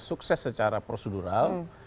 sukses secara prosedural